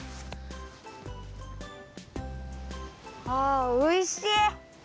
あおいしい。